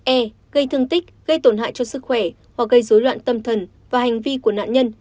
e gây thương tích gây tổn hại cho sức khỏe hoặc gây dối loạn tâm thần và hành vi của nạn nhân